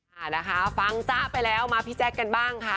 อ่านะคะฟังจ๊ะไปแล้วมาพี่แจ๊คกันบ้างค่ะ